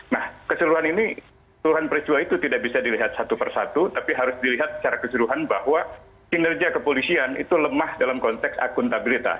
nah keseluruhan ini keseluruhan peristiwa itu tidak bisa dilihat satu persatu tapi harus dilihat secara keseluruhan bahwa kinerja kepolisian itu lemah dalam konteks akuntabilitas